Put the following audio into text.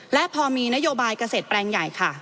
และพอมีนโยบายเกษตรแปลงใหญ่ค่ะ